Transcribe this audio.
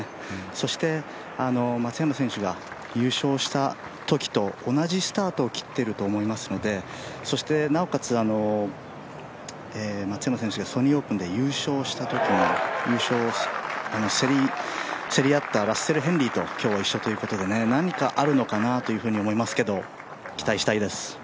そして松山選手が優勝したときと同じスタートを切っていると思いますので、そしてなおかつ、松山選手がソニーオープンで優勝したときに、競り合ったラッセル・ヘンリーと今日は一緒ということで、何かあるのかなというふうに思いますけども、期待したいです。